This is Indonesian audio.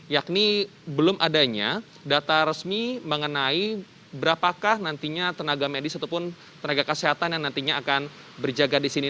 yakni belum adanya data resmi mengenai berapakah nantinya tenaga medis ataupun tenaga kesehatan yang nantinya akan berjaga di sini